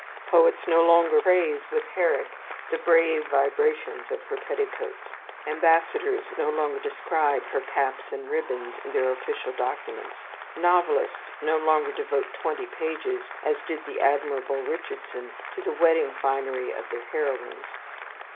Poets no longer praise With Herrick the brave vibrations of her petticoats. Ambassadors no longer describe her caps and ribbons in their official documents. Novelists no longer devote twenty pages, as did the admirable Richardson, to the wedding finery of their heroines.